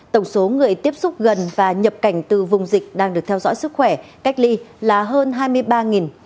tổng số người tiếp xúc gần và nhập cảnh từ vùng dịch đang được theo dõi sức khỏe cách ly là hơn hai mươi ba người